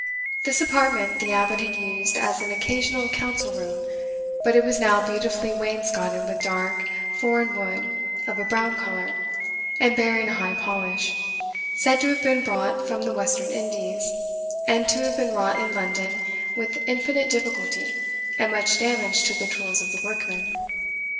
This apartment the abbot had used as an occasional council room, but it was now beautifully wainscoted with dark, foreign wood of a brown colour, and bearing a high polish, said to have been brought from the Western Indies, and to have been wrought in London with infinite difficulty and much damage to the tools of the workmen.